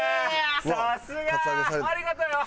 さすが！ありがとよ！